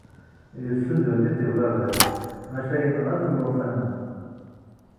Yessuden-it ubabat maca yenɣa-tt lṭufan-a.